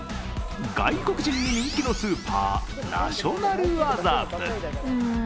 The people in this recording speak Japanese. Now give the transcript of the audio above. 外国人に人気のスーパー、ナショナル麻布。